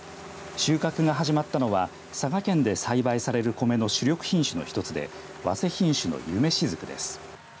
収穫が始まったのは佐賀県で栽培されるコメの主力品種の一つで早生品種の夢しずくです。